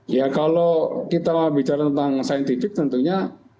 ya kalau kita bicara tentang saintifik tentunya